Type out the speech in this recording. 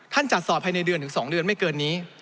จัดสอบภายในเดือนถึง๒เดือนไม่เกินนี้